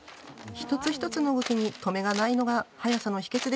一つ一つの動きに止めがないのが速さの秘けつです。